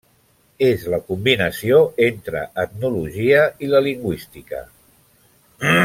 És la combinació entre etnologia i la lingüística.